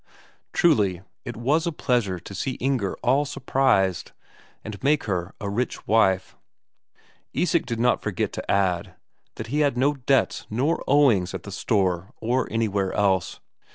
Truly, it was a pleasure to see Inger all surprised, and make her a rich wife. Isak did not forget to add that he had no debts nor owings at the store or anywhere else.